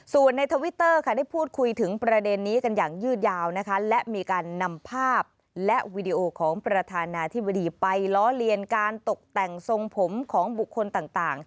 ส่วนในทวิตเตอร์ค่ะได้พูดคุยถึงประเด็นนี้กันอย่างยืดยาวนะคะและมีการนำภาพและวีดีโอของประธานาธิบดีไปล้อเลียนการตกแต่งทรงผมของบุคคลต่าง